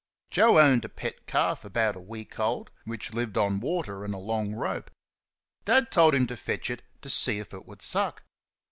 Joe owned a pet calf about a week old which lived on water and a long rope. Dad told him to fetch it to see if it would suck.